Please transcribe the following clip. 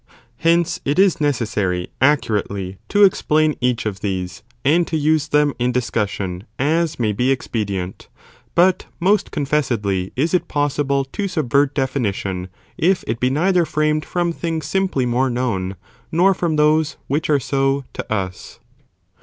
Hence it is necessary accurately to explain each of these, and to use them in discussion as may be expedient, but most confessedly is it possible to subvert definition, if it be neither framed from things simply more known, nor from those (which are _ 80) to us.